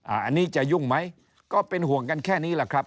อันนี้จะยุ่งไหมก็เป็นห่วงกันแค่นี้แหละครับ